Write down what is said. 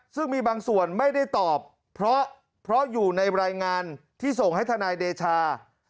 ซึ่งมีบางส่วนไม่ได้ตอบเพราะอยู่ในรายงานที่ส่งให้ทนายเดชา